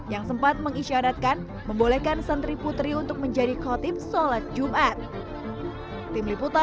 yang sempat mengisyaratkan membolehkan santri putri untuk menjadi khotib sholat jumat